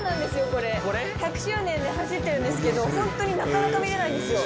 これ１００周年で走ってるんですけどホントになかなか見れないんですよ。